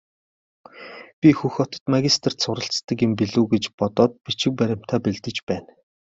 Би Хөх хотод магистрт суралцдаг юм билүү гэж бодоод бичиг баримтаа бэлдэж байна.